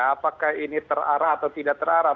apakah ini terarah atau tidak terarah